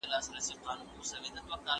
ځيني وچکاليو او قحطيو سره معرفي کړل.